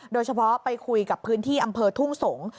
โดยเฉพาะไปคุยกับพื้นที่อำเภอทุ่งสงศ์